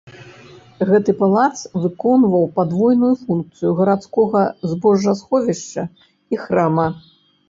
Гэты палац выконваў падвойную функцыю гарадскога збожжасховішча і храма.